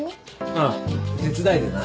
ああ手伝いでな